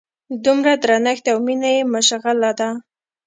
دومره درنښت او مینه یې مشغله ده.